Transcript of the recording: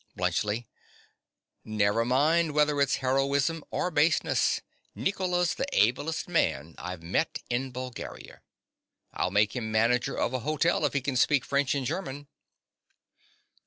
BLUNTSCHLI. Never mind whether it's heroism or baseness. Nicola's the ablest man I've met in Bulgaria. I'll make him manager of a hotel if he can speak French and German.